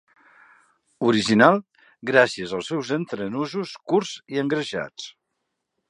Original gràcies als seus entrenusos curts i engreixats.